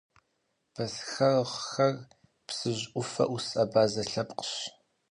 Бэсхэгъхэр Псыжь ӏуфэ ӏус абазэ лъэпкъщ.